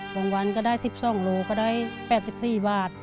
วันก็ได้๑๒โลก็ได้๘๔บาท